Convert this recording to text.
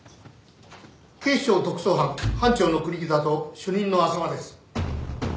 警視庁特捜班班長の国木田と主任の浅輪です。